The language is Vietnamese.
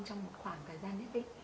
trong một khoảng thời gian nhất